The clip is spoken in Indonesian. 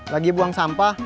lagi buang sampah